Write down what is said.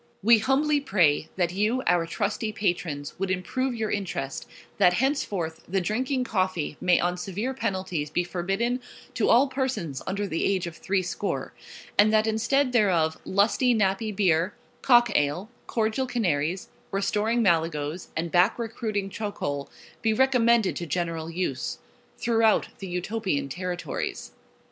We Humbly Pray, That you our Trusty Patrons would improve your Interest, that henceferth [>henceforth] the Drinking COFFEE may on severe penalties be forbidden to all Persons under the Age of Threescore; and that instead thereof, Lusty nappy Beer, Cock Ale, Cordial Canaries, Restoring Malago's, and Back recruiting Chocholes be Recommended to General Use, throughout the Utopian Territories.